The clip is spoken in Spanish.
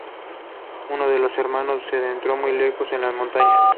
Uno de los hermanos se adentró muy lejos en las montañas.